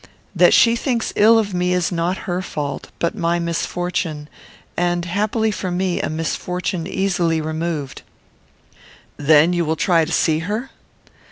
That she thinks ill of me is not her fault, but my misfortune; and, happily for me, a misfortune easily removed." "Then you will try to see her?"